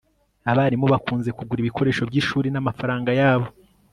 abarimu bakunze kugura ibikoresho byishuri namafaranga yabo